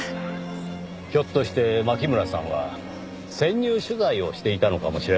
ひょっとして牧村さんは潜入取材をしていたのかもしれませんねぇ。